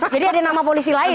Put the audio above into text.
jadi ada nama polisi lain